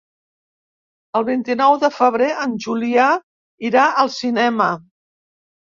El vint-i-nou de febrer en Julià irà al cinema.